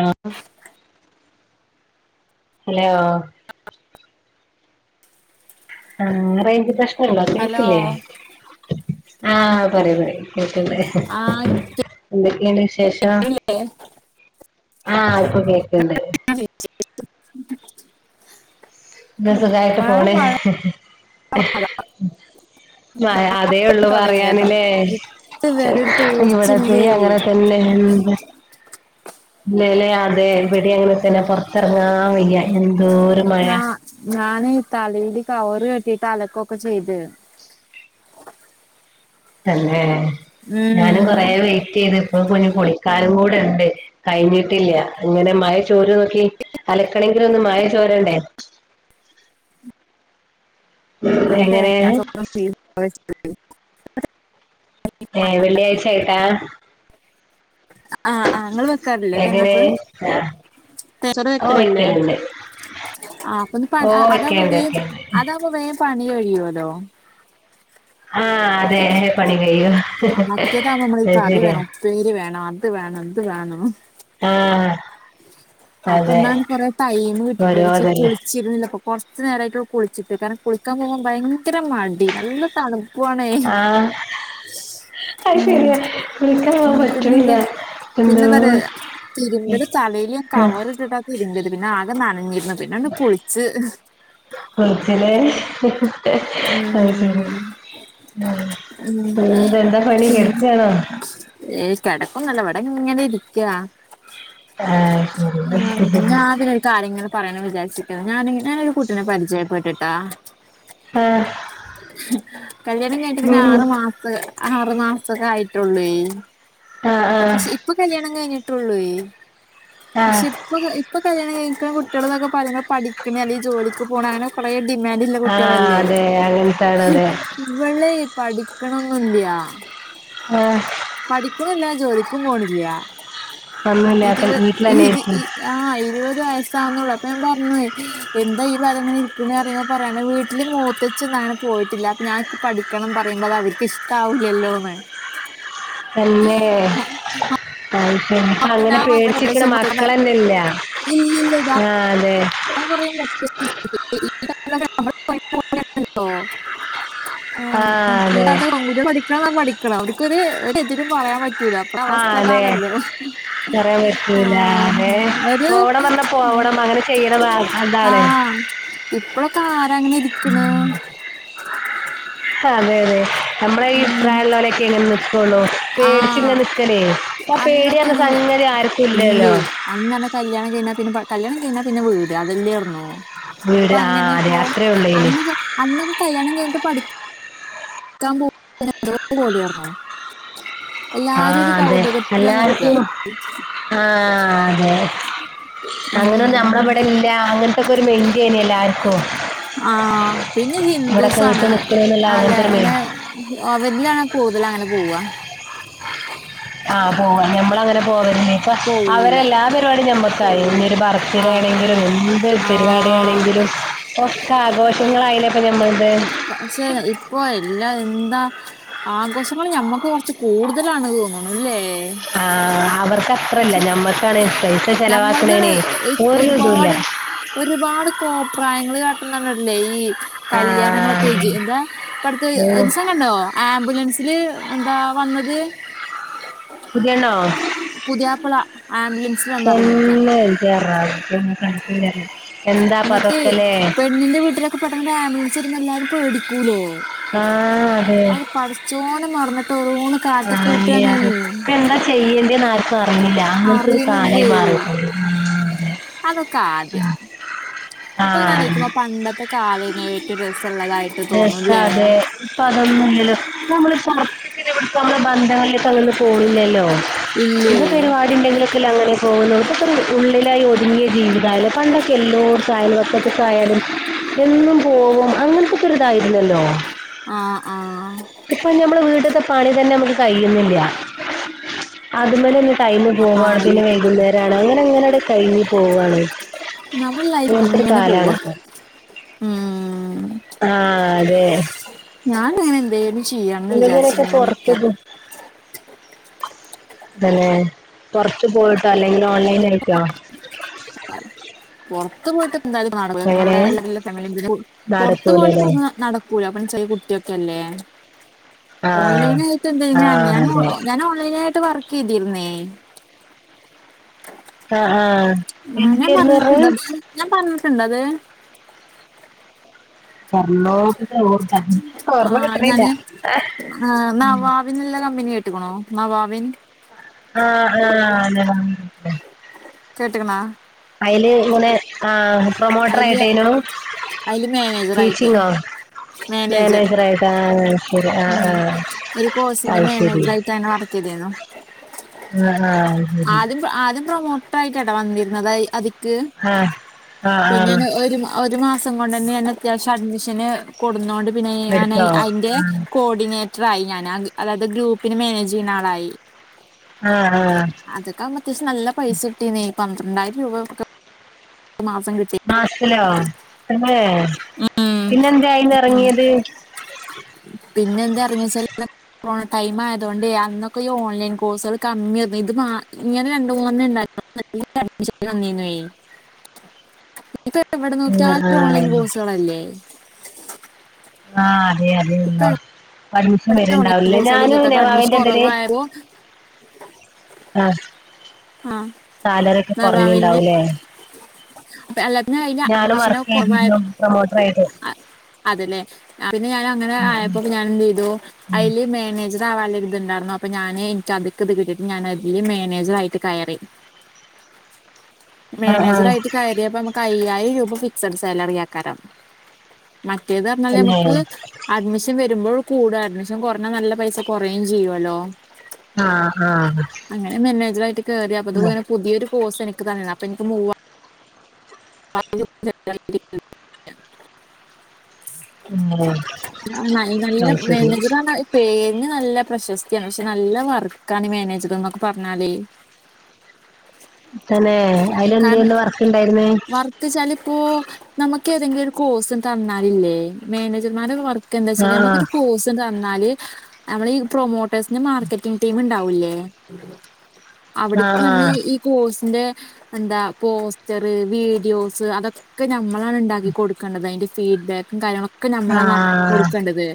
ആഹ് hello ആഹ് range പ്രഷ്നണ്ടോ hello കേൾക്ക്ല്ലേ ആഹ് പറി പറി കേക്ക്ണ്ട് ആഹ് എന്തൊക്കെണ്ട് വിശേഷം? കേൾക്കുന്നില്ലേ ആഹ് ഇപ്പോ കേക്ക്ണ്ട് [unintelligible] ന്താ ഉം സുഖായിട്ട് മഴ പോണ് മഴ മഴ അറിയോള്ളു തുടങ്ങിയതാ പറയാന്ലെ ഇതുവരെ ഒരു ഇവടെ തോർച്ചല്ലേ [unintelligible] തന്നെ മ് ഇല്ലലെ അതെ ഇവടെ അങ്ങനെ തന്നെ പോറത്തർങ്ങാൻ വയ്യ എന്തോര് മഴ ഞാ ഞാന് തലീല് കവറ് കെട്ടിട്ട് ആണ് അലക്കൊക്കെ ചെയ്ത് തന്നെ ഉം ഞാനും കൊറെ വെയിറ്റ് ചെയ്ത് കുഞ്ഞു കുളിക്കാനും കൂടെ ഇണ്ട് കഴിഞ്ഞിട്ടില്ല ഇങ്ങനെ മഴ ചോരോ നോക്കി അലക്കണെങ്കിലോന്ന് മഴ ചോരണ്ടേ? എങ്ങനെ [unintelligible] ഏഹ് വെള്ളിയാഴ്ചായിട്ടാ ആഹ് ആഹ് ഇങ്ങള് വെക്കാറില്ലേ തേങ്ങ എങ്ങനെ ചോറ്? ആ [unintelligible] ഓ വെക്കലില്ലേ? വെക്കലുണ്ട് ആഹ് ഓ അപ്പൊന്ന് അതാകുമ്പോ വെക്കലുണ്ട് വേം വെക്കലുണ്ട് അതാകുമ്പോ വേം പണി കഴിയോലോ? ആഹ് അതെ പണി കയ്യും അത് ശെരിയാ ര് വേണം അത് വേണം ഇത് വേണം ആഹ് അപ്പൊ ഇന്നാണ് കൊറേ ടൈം [unintelligible] ഓരോ പക്ഷെ ഇതല്ലേ കുളിച്ചിരുന്നില്ലപ്പൊ കൊ കൊർച്ച് നേരായിട്ടൊള്ളു കുൾച്ചിട്ട് കാരണം കുളിക്കാൻ പോകുമ്പം ഭയങ്കര മടി നല്ല തണ് പ്പു ആണെ ആ അത് ഉം ശരിയാ വിളിക്കാൻ പിന്നെന്ത പറ്റണില്ല എന്തോ പിന്നെന്താ അറിയോ തീരുമ്പല് തലീല് ആ കവറ് ഇട്ടിട്ടാ തിരുമ്പല് പിന്നെ ആകെ നനഞ്ഞിരുന്നു പിന്നെ അണ്ട് കുളിച്ച് [unintelligible] അഹ്ശെരി ഉം ഉം ഉം പിന്നെന്താ പണി കെടക്കാണോ? ഏഹ് കേടക്കൊന്നല്ല ഇവടെങ്ങനെ ഇരിക്കാ ആ ശരി ആഹ് [unintelligible] പറയണം വിചാരിച്ചിക്കാണ് ഞാന് ഞാനൊരു കുട്ടിനെ പരിചയപ്പെട്ടിട്ടാ ആഹ് കല്യാണം കഴിഞ്ഞിട്ട് ഉം ആറ് മാസ ആറ് മാസൊക്കെ ആയിട്ടുള്ളൂ ആഹ് പക്ഷെ ഇപ്പൊ കല്യാണം കഴിഞ്ഞിട്ടുള്ളെ പക്ഷെ ആഹ് ഇപ്പ ഇപ്പ കല്ല്യാണം കഴിക്കുന്ന കുട്ട്യാള് ന്നൊക്കെ പറയ്മ്പോ പഠിക്ണെ അലെങ്കി ജോലിക്ക് പോണെ അങ്ങനെ കുറെ ഡിമാൻ് ആഹ് അതെ അങ്ങനത്താണ് അതെ ഇവൾ പഠിക്കണ് ഒന്നൂല്ല്യ ആഹ് പഠിക്കുന്നില്ല ജോലിക്കും പോണില്ല ഒന്നുല്ല ഇതി ഒക്കെ വീട്ടിലന്നെയായിരിക്കും ആഹ് ഇരുപത് വയസാവുന്നുള്ളൂ അപ്പൊ ഞാൻ പറഞ്ഞേ എന്താ ഈ പറതങ്ങ നിക്ക പറയ്ണീ പറയാണ് വീട്ട ഇന്റെ മൂത്തച്ചിയൊന്നും അങ്ങനെ പോയിട്ടില്ല അപ്പ ഞാനക്ക് പഠിക്കണം പറയുമ്പോ അത് അവർക്ക് ഇഷ്ടാവൂല്ലല്ലോന്ന് തന്നേ അപ്പൊ അങ്ങനെ ഞാൻ പേടിച്ചിരിക്കുന്ന മക്കൾ അല്ലേ ഇല്ല ഞാൻ ആ അതെ [unintelligible] [unintelligible] ആഹ് അതെ പറ്റൂല അപ്പൊ അവസ്ഥ ആഹ് അതെ അതാണല്ലോ പറയാൻ ആ പറ്റൂല്ല അതെ പോവണം എന്ന് പറഞ്ഞ പോവണം അങ്ങനെ ചെയ്യണം അതാണ് ആഹ് ഇപ്പഴൊക്കെ ആരാ അങ്ങനെ ഇരിക്കണ് അതെ അതെ നമ്മുടെ ഈ ഉം, പ്രായമുള്ള ഓലെക്കെ ഇങ്ങനെ നിക്കുള്ളൂ ആ പേടിച്ച ഇങ്ങനെ നിക്കലേ ആഹ് പേടി പറഞ്ഞ സംഗതി ആർക്കും ഇല്ലല്ലോ അന്നാണ് കല്യാണം കഴിഞ്ഞാ പിന്നെ കല്യാണം കഴിഞ്ഞാ പിന്നെ വീട് അതെന്നെ ഒള്ളു വീട് ഇപ്പൊ ആഹ് അങ്ങനെ അതെ പോ അത്രേ ഉള്ളേനി അന്നൊക്കെ അന്നൊക്കെ കല്യാണം കഴഞ്ഞിട്ട് പഠ ക്കാൻ [unintelligible] [inaudible] ആഹ് അതെ കൗതുകത്തിലാ നിക്കുക എല്ലാർക്കും ആഹ് അതെ അങ്ങനൊ നമ്മളെ ഉം ഇവിടെ ഇല്ല അങ്ങനത്തോക്കെ ഒരു മൈൻഡ് തന്നെയില്ല ആർക്കും ആഹ് പിന്നെ ഹിന്ദൂസാണ് അല്ലെ ഒരു മെയിൻ അന്നെ അവരിലാണ് കൂടുതല അങ്ങനെ പോവ ആഹ് പോവാൻ ഞമ്മള അങ്ങനെ പോവുന്ന ഇപ്പൊ അവരെ പോവൂല എല്ലാ പരിപാടും ഞമ്മക്കായിരുന്നു ഒരു ഭ ത്തിര ആഹ് ആണെങ്കിലും എന്ത് ആഹ് പരിപാടാണെങ്കിലും ഒക്ക ആഘോഷങ്ങളായാലെ ഇപ്പം നമ്മൾ [unintelligible] പക്ഷെ ഇപ്പൊ എല്ലാ എന്താ ആഘോഷങ്ങൾ ഞമ്മക്ക് കുറച്ച് കൂടുതലാണ് തോന്നണല്ലേ ആ അവർക്ക് അത്ര ഇല്ല നമ്മൾക്കാണ് പൈസ നമ്മൾത് ചെലവാക്കണേനെ ഒരു ഇതുമില്ല ഒരുപാട് ഒരുപാട് കോപ്രായങ്ങൾ കാട്ടുന്നണ്ടല്ലേ ഈ ആ കല്യാണങ്ങളൊക്കെ ആയിട്ട് അതെ. എന്താ ഇപ്പടത്തെ ഓ ഒരീസം കണ്ടോ ആംബുലൻസില് എന്താ വന്നത് പുതിയണ്ണോ പുതിയാപ്പള ആംബുലൻസ് തന്നെ ഇന്റെ റബ്ബേ എന്താപ്പൊ അതൊ ക്കല്ലേ പെണ്ണിൻ്റെ വീട്ടിലൊക്കെ പെട്ടന്ന് ആംബുലൻസ് വരുമ്പോ എല്ലാരും പേടിക്കൂലേ ആഹ് അതെ അത് പടച്ചോനെ മറന്നിട്ട് ഓരോന്നു ആഹ് ഇപ്പൊ എന്താ ചെയ്യേണ്ടന്ന് ആർക്കും അറിയില്ല അങ്ങനത്തൊരു കാലായി അറിയണില്ലേ മാറി അതൊക്കെ ആദ്യം ആഹ് ഇപ്പൊ ഇങ്ങനെ ആഹ് ആലോചിക്കുമ്പോ പണ്ടത്തെ കാലം ഏറ്റവും രസമുള്ളതായിട്ട് തോന്നൂല്ലേ ഇപ്പ അതൊന്നിലല്ലോ നമ്മള് [unintelligible] അങ്ങന്ന് പോണില്ലല്ലോ ഇല്ലേ എന്ത് പരിപാടി ഉണ്ടെങ്കിലൊക്ക അങ്ങനെ ഇപ്പൊ ഉള്ളിലായി ഒതുങ്ങിയ ജീവിതലേ പണ്ടൊക്കെ എല്ലോടുത്തും അയൽവക്കത്തും യാലും എന്നും പോവും അങ്ങനത്തെ തായിരുന്നല്ലോ ആഹ് ആഹ് ഇപ്പം ഞമ്മള വീട്ട്ത്തെ പണി തന്നെ നമുക്ക് കയ്യ്ണില്ല അത് മലന്നെ ടൈമ് പോവാണ് ആഹ് പിന്നെ വൈകുന്നേരാണ് അങ്ങനെ അങ്ങനാണ്ട് കഴിഞ്ഞി പോവാണ് നമ്മുടെ ലൈഫ് ഇങ്ങനൻത്തെരു ഇങ്ങനെ കാലാണ് പോവാ ഇപ്പൊ ഉം ആ അതെ ഞാന് ഇങ്ങനെ എന്ധെ ലും ചെയ്യാന്ന് വിചാരിച് നിങ്ങൾക്കിനൊക്കെ ഇങ്ങനെ നിക്ക തലെ പൊർത്ത് പോയിട്ടോ അല്ലെങ്കി ഓൺലൈൻ ആയിട്ടോ പൊർത്ത് പോയിട്ട് അങ്ങനെ [unintelligible] പൊർത്ത് ഓല് നടക്കൂലല്ലേ [unintelligible] [unintelligible] ചെറീയെ കുട്ടി ഒക്ക അല്ലേ ആ ഓൺലൈന് ആയിട്ട് എന്താൻ ആ ഞാൻ ഞാൻ ഓ അതെ ഞാൻ ഓൺലൈന് ആയിട്ട് വർക്ക് ചെയ്തിര്ന്നേ ആ ആ ആ ഞാൻ എന്തായിരുന്നു പറഞ്ഞത്? പർഞ്ഞിട്ട്ണ്ടത് ഞാൻ പറഞ്ഞിട്ട്ണ്ടത് പർ [unintelligible] ഒര് ഓമ ഓർമ്മ ആഹ് കിട്ട്ണില്ല ല്ല കമ്പനി കേട്ട്ക്ക്ണോ നവാവിൻ ആ ആ അതെ കേട്ട്ക്ക്ണാ അയ്ല് ഇങ്ങനെ ആ പ്രൊമോട്ടർ അയ്ല് ആയിട്ടേനു അയ്ല് മാനേജറായിട്ട് ട്ടീച്ചിങ്ങോ മാനേജർ മേനേജർ ആയി ആ ആ ഉം ആ ഒരു കോഴ്സിന്റെ അയ് ശെരി മാനേജറായിട്ട് അങ്ങനെ വർക്കെയ്തിരുന്നു. ആ ആഹ് ആദ്യം ആദ്യം പ്രൊമോട്ടർ ആയിട്ട ട്ടാ വന്നിര്ന്നത് അതിക്ക് ആ ആ അത് ശരി ആ ആ പിന്നെ ആ ഞ ഒരു ഒരു മാസം കൊണ്ടന്നെ ഞാൻ അത്യാവശ്യം അഡ്മിഷന് കൊട്ന്നൊണ്ട് പിന്നെ ഞാൻ അ എടുത്തോ അഴിന്റെ ആ കോഡിനേ റ്റ്റായി ഞാൻ ആ അതായത് ഗ്രൂപ്പിന് മേനേജ് ചെയ്യുന്ന ആളായി ആ ആ അതക്ക ആവുമ്പം അത്യാവഷ്യം നല്ല പൈസ കിട്ടീന്നി പന്ത്രണ്ടായിരം രൂപക്ക മാസം കി മാസ്ത്തിലോ തന്നെ പിന്നെന്തേ അയിന്ന് എർങ്ങിയത് [inaudible] പിന്നെ എന്തേ എർങ്ങി വെച്ചാല് കൊറോണ ടൈമ് ആയതു കൊണ്ടെ അന്നൊക്കെ ഈ ഓൺലൈൻ കോഴ്സള് കമ്മി വന്ന് ഇത്പ്പ ആ ഇങ്ങനെ രണ്ട് മൂന്നണ്ണണ്ടാ [unintelligible] അഡ്മിൻ വന്നീന്നയ് ഇപ്പൊ എവിടെ ആ നോക്കിയാലും ആ ഓൺലൈൻ കോഴ്സുകളല്ലേ ആ അതെ ഇപ്പൊ അതെയല്ലോ ഇപ്പ അഡ്മിഷം എവിടെ ഓൺലൈൻ വര്ണ്ടാവൂലെ കോഴ്സുകൾ ഞാനും ഇല്ലാത്ത അപ്പൊ അഡ്മിഷൻ നെവാവിന്റെ ഇതില് കുറവായപ്പോ ആ ആ സാലറി ഒക്ക കൊർഞ്ഞി നവാവില് ണ്ടാവൂലേ അല്ലാതെ അതിന് ഞാനും അഡ്മിഷന് വർക്ക് ചെയ്തിരുന്നു പ്രൊമോട്ടർ ആയിട്ട് അതെ ലെ പിന്നെ ഞാൻ അങ്ങനെ ഉം, ഉം, ആയപ്പോ ഞാന് എന്ത് ചെയ്തു ഉം. അഴില് മേനേജ താവനൊരു ഇത്ണ്ടായിർന്നു അപ്പ ഞാന് ഇൻക്ക് അത്ക്ക് ഇത് കിട്ടിട്ട് ഞാന അതില് മേനേജറയിട്ട് കയറി ആ ആ മേനേജറായിട്ട് ക റിയപ്പം നമുക്ക് അയ്യായിരം രൂപ ഫിക്സഡ് സാലറി ആക്കാരം മറ്റേത് പർഞ്ഞാല് തന്നെ നമുക്ക് അഡ്മിഷൻ വരുമ്പളും കൂട അഡ്മിഷൻ കൊർഞ്ഞ നല്ല പൈസ കൊറയും ചെയ്യുവല്ലോ ആ ആഹ് കേറി അപ്പ ആഹ് അത്ങ്ങനെ പുതിയൊരു കോസ് എനിക്ക് തന്ന അപ്പൊ എൻക്ക് മൂവ [unintelligible] റ [unintelligible] അങ്ങനെ നല്ല നല്ല അത് നെയ് ശരി നെജിലാണത് പേര്ന് നല്ല പ്രശസ്തിയാണ് പക്ഷെ നല്ല വർക്ക ആണ് മാനേജറ്ന്നൊക്കെ പറഞ്ഞാലേ തന്നെ അയില് എന്തേനു വർക്ക് ഇണ്ടായിരുന്നെ ത്‌ച്ചാല്‌പ്പോ നമുക്ക് ഏതെങ്കിലും ഒരു കോഴ്സും തന്നാലില്ലേ മാനേജർമാരെ വർ ത്‌ന്താച്ചാല് നമ്മക്ക് ആഹ് ഒരു കോഴ്സ് തന്നാല് നമ്മള് ഈ പ്രൊമോ ട്ടേഴ്സിന്റെ മാർക്കറ്റിംഗ് ടീം ഉണ്ടാവൂല്ലേ അവിട്ക്ക് നമ്മള് ആഹ് ഈ ഈ കോഴ്സിന്റെ എന്താ പോസ്റ്ററ് വീഡിയോസ് അതൊക്കെ ഞമ്മളാണ് ഉണ്ടാക്കി കൊടു ക്കണ്ടത് അതിന്റെ ഫീഡ്ബാക്കും കാര്യങ്ങളൊ ക്കെ ആഹ് നമ്മളാ നട ആഹ് കൊടുക്കേണ്ടത്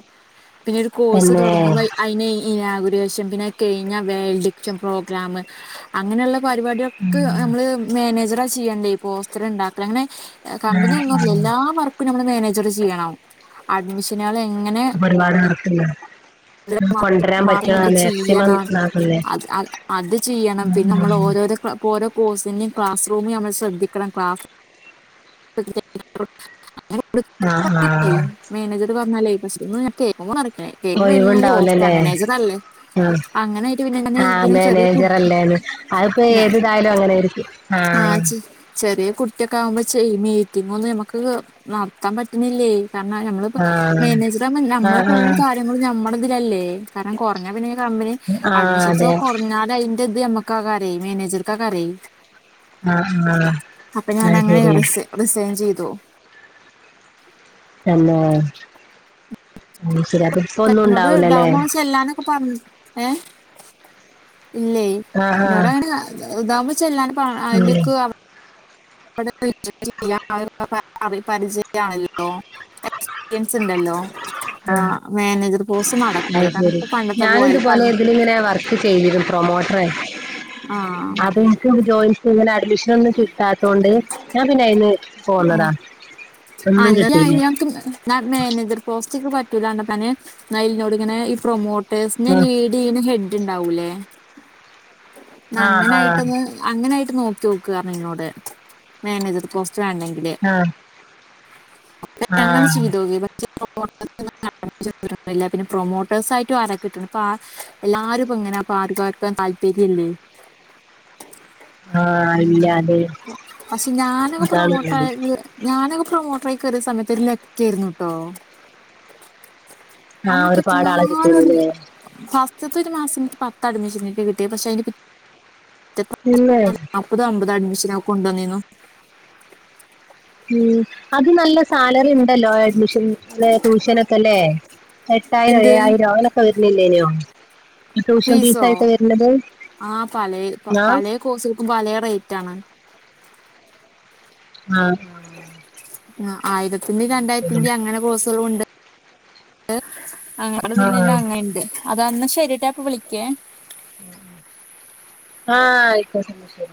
പിന്നെ ഒരു കോഴ്സ് തന്നെ തുടങ്ങുമ്പ അയി അയ്നെ ഇനാഗുരേഷൻ പിന്നെ കെഴിഞ്ഞ വേൾഡ്ക്ഷൻ പ്രോഗ്രാമ് അങ്ങനെയുള്ള പരിപാടിക ക്ക് ഉം നമ്മള് മാനേജറാ ചെയ്യണ്ടേ ഈ പോസ്റ്റർ ഇണ്ടാക്ക അങ്ങനെ ഏഹ് കമ്പനി ആഹ് ഒന്നും ല്ല ആഹ് എല്ലാ വർക്കും നമ്മള് മാനേജറ് ചെയ്യണം അഡ്മിഷനേള് എങ്ങനെ അപ്പൊ ഒരുപാട് വർക്കുണ്ട് [unintelligible] കൊണ്ടുവരാൻ പറ്റണ മാർക്കിനെന്ന് മാക്സിമം ചെയ്യണം ഇതാക്കല്ലേ അത് അ അത് ചെയ്യണം പിന്നെ നമ്മള് ഓരോരോ ക് ഇപ്പൊ ഓരോ കോഴ്സിന് ക്ലാസ് റൂമ് നമ്മൾ ശ്രദ്ധിക്കണം ക്ലാസ് [unintelligible] ആഹ് ആഹ് [unintelligible] മാനേജർ പറഞ്ഞാലേ പക്ഷ ഒന്ന് ഞാൻ കേക്കുമ്പ കറക്ടായി [unintelligible] വല്ല്യ ഓസ്ഥ ഒഴിവുണ്ടാവൂലല്ലേ മാനേജറല്ലേ ആഹ് ആഹ് കുട്ടി മാനേജറല്ലേന്ന് അത്പ്പോ ഏത് തായാ ല അങ്ങനെയിരിക്കും ആഹ് ചെറിയ കുട്ടിയൊക്കെ ആവുമ്പോ ചെയ് മീറ്റിംഗ് ഒന്നും നമ്മക്ക് നടത്താൻ പറ്റ്ണില്ലേ കാരണം അത്‌ നമ്മളിപ്പോ ആഹ് മേനേജർ ആവുമ്പൊ നമ്മള് ആഹ് ഫുള്ള് ആഹ് കാര്യ ഞങ്ങള് നമ്മുടെതിലല്ലേ കാരണം കൊറഞ്ഞ പിന്നെ ഇഞ്ഞ് കമ്പനി ആഹ് അഡ്മിഷൻസ് അതെ ഒക്കെ കൊറഞ്ഞാല് അയി ന്റെത് ഞമ്മക്കാകാരയ് മാനേജർക്കെക്കാരെയ് ആഹ് ആഹ് അപ്പൊ ഞാൻ അത് അങ്ങനെ ശരിയാ റിസെ റിസൈൻ ചെയ്തു തന്നെ അത് ശരി. അപ്പൊ ഇപ്പൊ ഒന്നും [unintelligible] ന്നോട് ദാ ഉണ്ടാവൂലല്ലേ മാസ എല്ലാന് ഇപ്പൊ പറ ഏഹ് ഇല്ലേ ആഹ് ആഹ് ഇന്നോടങ്ങനെ [unintelligible] താമ ചെല്ലാന് ഇപ്പൊ ഉം അയില്ക്ക് ഇപ്പൊത് [unintelligible] പരിചയ ആണല്ലോ എക്സ്പീരിയൻസ് ഉണ്ടല്ലോ ആഹ് മാനേജർ പോസ് നടക്കൂല കാരണം ഇപ്പ പണ്ടത്തെ പോലെ അല്ല പൻ ഇല്ലലേ വർ ക്ക് ചെയ്തിരുന്നു പ്രൊമോട്ടറായി ആഹ് ഇങ്ങന [unintelligible] നൊന്നും ചിട്ടാത്തൊണ്ട് ഞാൻ പിന്നെ അയിന്ന് ആ പോന്നടാ ഒന്നും കിട്ടീല്ല എന്നാ മാനേജർ പോസ്റ്റിക്ക് പറ്റൂലാർഞ്ഞപ്പൊ ഞാന് ന്നാ ഇൽന്നോട് ഇങ്ങനെ ഈ പ്രൊമോട്ടേഴ്സ്നെ ലീ ലീഗ്‌ന് ഹെഡ് ഉണ്ടാവൂല്ലേ ന്നാ ആഹ് അങ്ങനെ ആഹ് ആയിട്ടൊന്ന് അങ്ങനായിട്ട് നോക്കി ഓ ക്ക് അറ്ഞ്ഞ് ഇന്നോട് മാനേജർ പോസ്റ്ററാണ്ടെങ്കില് ആഹ് ന്നാ പിന്നെ ആഹ് അങ്ങനെ ആഹ് ചെയ്ത് ഓക്കി പക്ഷെ [unintelligible] ഇല്ല പിന്നെ പ്രൊമോട്ടേഴ്സ് ആ യിട്ടും ആരെ കിട്ട്ണ് ഇപ്പ ആ എല്ലാരും ഇപ്പ ഇങ്ങനെ അപ്പൊ ആർക്കും ആർക്കാ താല്പര്യല്ലേ ആഹ് ഉം ഇല്ല അതെ പക്ഷെ ഞാനൊക്കെ അതാണുള്ളത് പ്രൊമോട്ടായത് ഞാനൊക്കെ പ്രൊമോട്ടറായി കയറിയ സമയത്ത് ലക്കി ആയിരുന്നു ട്ടോ ആഹ് അന്നൊക്കെ എത്ര ഒരുപാട് ആളെ കിട്ടീനില്ലേ ലാസ്റ്റത്തെ ഒരു മാസം ഒരു പത്ത [unintelligible] ചെന്നിട്ട് കിട്ടിയ പക്ഷെ അതിന്റെ പിന്നെ മുപ്പത് അമ്പത് അഡ്മിഷനക്ക കൊണ്ടുവന്നു ഉം അത് നല്ല സാലറി ഉണ്ടല്ലോ അഡ്മിഷൻ ട്യൂഷനൊക്കെ അല്ലേ എട്ടായിരം എന്ത് ഏഴായിരം അങ്ങനൊക്കെ വരുന്നില്ലേനോ ട്യൂഷൻ ഫീസ് ആയിട്ട് വരുന്നത് ആ പല ആ പല കോഴ്സുകൾക്കും പല റേറ്റണ് ആഹ് ആ ആയിരത്തിന്റെയും ശരി. രണ്ടായിരത്തിന്റെയും അങ്ങനെ കോസുകളുണ്ട് അങ്ങടെ ആ തന്നന്ന അങ്ങനെ ഇണ്ട് അതന്ന ശരിയട്ട ഇപ്പ വിളിക്കേ ഉം ആഹ ആയിക്കോട്ടേ